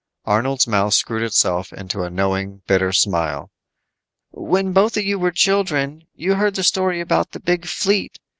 Arnold's mouth screwed itself into a knowing, bitter smile. "When both of you were children you heard the story about the Big Fleet.